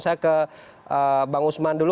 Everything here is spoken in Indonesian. saya ke bang usman dulu